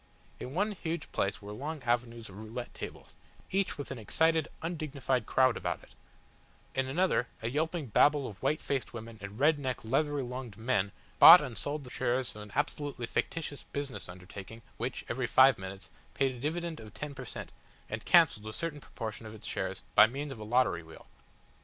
In one huge place were long avenues of roulette tables, each with an excited, undignified crowd about it; in another a yelping Babel of white faced women and red necked leathery lunged men bought and sold the shares of an absolutely fictitious business undertaking which, every five minutes, paid a dividend of ten per cent, and cancelled a certain proportion of its shares by means of a lottery wheel.